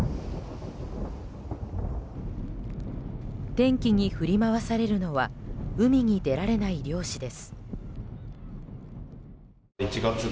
天気に振り回されるのは海に出られない漁師です。